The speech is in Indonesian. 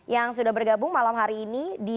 yang sudah bergabung malam hari ini